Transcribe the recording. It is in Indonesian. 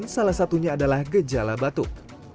salah satunya adalah gejala batuk